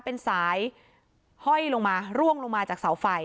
เป็นสายห้อยลงมาร่วงลงมาจากเสาไฟ